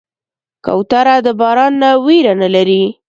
کوتره د باران نه ویره نه لري.